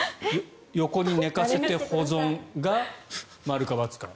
横に寝かせて保存が○か×か。